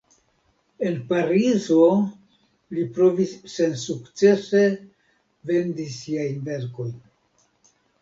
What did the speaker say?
En Parizo li provis sensukcese vendis siajn verkojn.